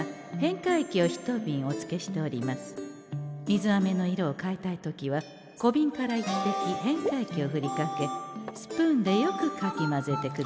「水あめの色を変えたい時は小瓶から１滴変化液をふりかけスプーンでよくかき混ぜてくださんせ。